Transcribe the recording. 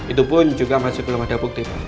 itu pun juga masih belum ada bukti